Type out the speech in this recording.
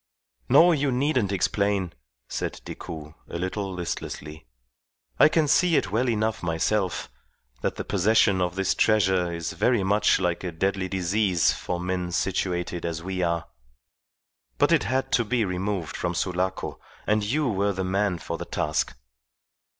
"No, you needn't explain," said Decoud, a little listlessly. "I can see it well enough myself, that the possession of this treasure is very much like a deadly disease for men situated as we are. But it had to be removed from Sulaco, and you were the man for the task."